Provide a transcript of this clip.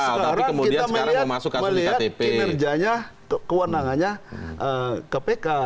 sekarang kita melihat kinerjanya kewenangannya kpk